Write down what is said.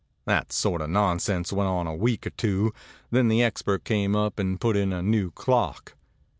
That sort of nonsense went on a week or two, then the expert came up and put in a new clock.